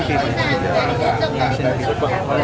tapi memang suami kita punya sukses